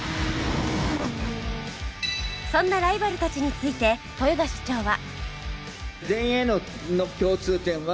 そんなライバルたちについて豊田社長は